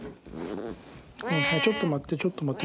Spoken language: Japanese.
ちょっと待ってちょっと待って。